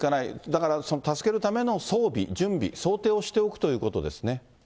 だから助けるための装備、準備、想定をしておくということですね。